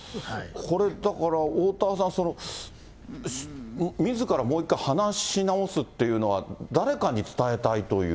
これだから、おおたわさん、みずからもう一回話し直すっていうのは、誰かに伝えたいという？